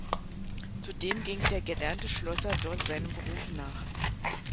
Zudem ging der gelernte Schlosser dort seinem Beruf nach.